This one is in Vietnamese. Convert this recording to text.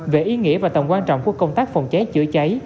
về ý nghĩa và tầm quan trọng của công tác phòng cháy chữa cháy